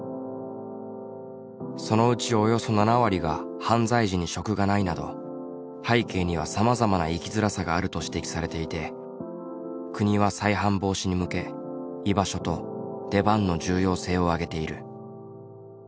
そのうちおよそ７割が犯罪時に職がないなど背景にはさまざまな生きづらさがあると指摘されていて国は再犯防止に向け「居場所」と「出番」の重要性を挙げている。